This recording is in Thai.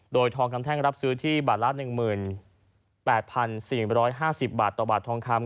โดยทองคำแท่งรับซื้อที่บาทละหนึ่งหมื่นแปดพันสี่หนึ่งร้อยห้าสิบบาทต่อบาททองคำ